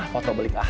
foto belik lah